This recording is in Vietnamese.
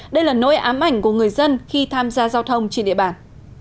đây là nỗi ám ảnh của người dân khi tham gia giao thông trên địa bàn